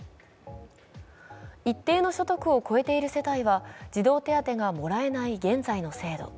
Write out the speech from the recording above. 一定の所得を超えている世帯は児童手当がもらえない現在の制度。